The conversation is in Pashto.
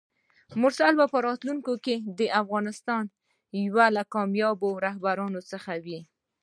مرسل به په راتلونکي کې د افغانستان یو له کاميابو رهبرانو څخه وي!